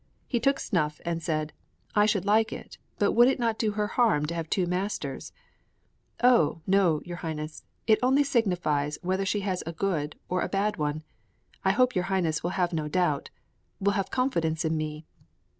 He took snuff and said, "I should like it, but would it not do her harm to have two masters?" "Oh, no, your highness, it only signifies whether she has a good or a bad one. I hope your highness would have no doubt will have confidence in me."